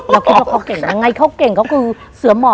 เราคิดว่าเขาเก่งยังไงเขาเก่ง